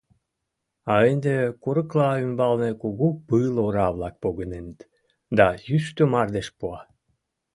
а ынде курыкла ӱмбалне кугу пыл ора-влак погыненыт, да йӱштӧ мардеж пуа.